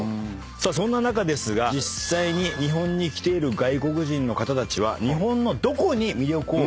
さあそんな中ですが実際に日本に来ている外国人の方たちは日本のどこに魅力を感じているのか。